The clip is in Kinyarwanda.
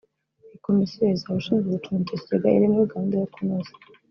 Iyi komisiyo izaba ishinzwe gucunga icyo kigega iri muri gahunda yo kunoza